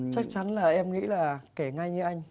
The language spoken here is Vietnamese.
chắc chắn là em nghĩ là kể ngay như anh